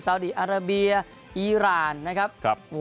ดีอาราเบียอีรานนะครับ